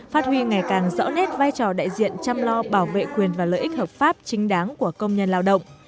phát huy ngày càng rõ nét vai trò đại diện chăm lo bảo vệ quyền và lợi ích hợp pháp chính đáng của công nhân lao động